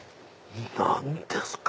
何ですか？